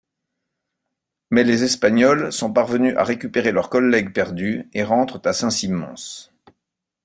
Mais les Espagnols sont parvenus à récupérer leurs collègues perdus et rentrent à Saint-Simmons.